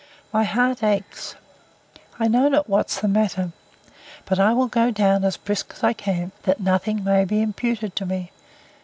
—My heart aches! I know not what's the matter. But I will go down as brisk as I can, that nothing may be imputed to me.